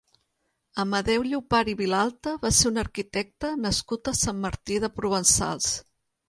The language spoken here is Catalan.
Amadeu Llopart i Vilalta va ser un arquitecte nascut a Sant Martí de Provençals.